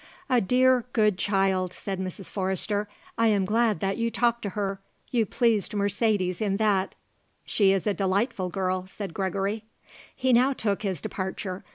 "A dear, good child," said Mrs. Forrester. "I am glad that you talked to her. You pleased Mercedes in that." "She is a delightful girl," said Gregory. He now took his departure.